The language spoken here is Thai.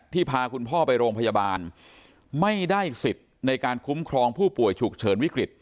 พาคุณพ่อไปโรงพยาบาลไม่ได้สิทธิ์ในการคุ้มครองผู้ป่วยฉุกเฉินวิกฤต